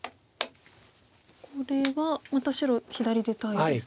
これはまた白左出たいですね。